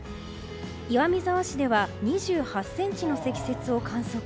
岩見沢市では２８ｃｍの積雪を観測。